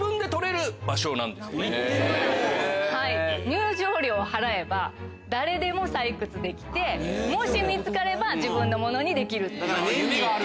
入場料を払えば誰でも採掘できてもし見つかれば自分のものにできる。